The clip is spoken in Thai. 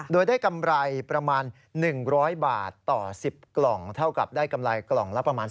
โดยได้กำไรประมาณ๑๐๐บาทต่อ๑๐กล่องเท่ากับได้กำไรกล่องละประมาณ